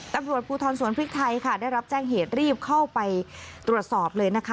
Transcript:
ตำรวจภูทรสวนพริกไทยค่ะได้รับแจ้งเหตุรีบเข้าไปตรวจสอบเลยนะคะ